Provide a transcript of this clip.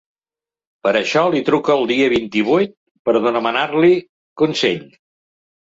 Per això li truca el dia vint-i-vuit, per demanar-li consell.